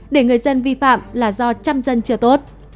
để người dân vi phạm là do trăm dân chưa tốt